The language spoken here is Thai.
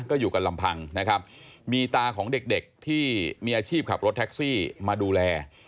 ก็อยู่กันลำพังนะครับมีตาของเด็กเด็กที่มีอาชีพขับรถแท็กซี่มาดูแล